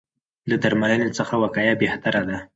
له درملنې څخه وقایه بهتره ده.